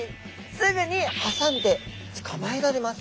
すぐに挟んで捕まえられます。